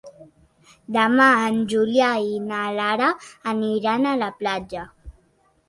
Demà en Julià i na Lara aniran a la platja.